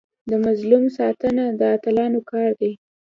د مظلوم ساتنه د اتلانو کار دی.